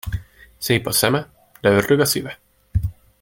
Szép a szeme, de ördög a szíve.